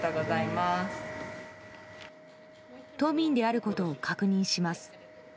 都民であることを確認します。